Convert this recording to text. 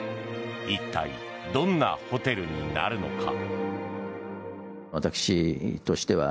一体、どんなホテルになるのか。